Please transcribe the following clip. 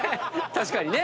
確かにね。